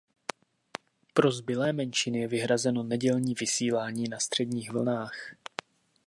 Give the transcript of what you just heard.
Pro zbylé menšiny je vyhrazeno nedělní vysílání na středních vlnách.